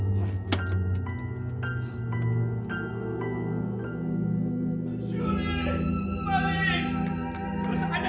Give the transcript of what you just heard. pelusa ana hidup